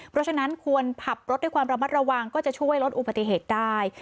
เพราะฉะนั้นควรขับรถด้วยความระมัดระวังก็จะช่วยลดอุบัติเหตุได้